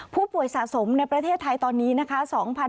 ผู้ป่วยสะสมในประเทศไทยตอนนี้นะคะ